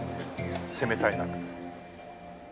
攻めたいなと。